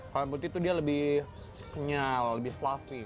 kalau yang putih tuh dia lebih kenyal lebih fluffy